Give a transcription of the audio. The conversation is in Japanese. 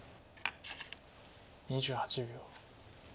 ２８秒。